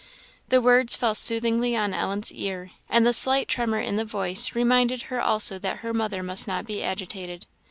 " The words fell soothingly on Ellen's ear, and the slight tremor in the voice reminded her also that her mother must not be agitated.